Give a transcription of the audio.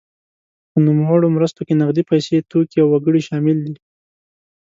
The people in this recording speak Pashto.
په نوموړو مرستو کې نغدې پیسې، توکي او وګړي شامل دي.